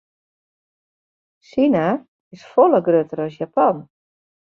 Sina is folle grutter as Japan.